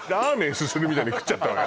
すするみたいに食っちゃったわよ